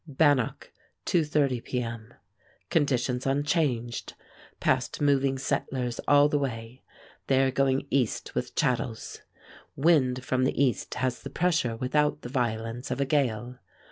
BANNOCK, 2:30 P. M. Conditions unchanged. Passed moving settlers all the way. They are going east with chattels. Wind from the east has the pressure without the violence of a gale.